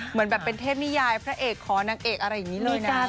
เหมือนแบบเป็นเทพนิยายพระเอกขอนางเอกอะไรอย่างนี้เลยนะ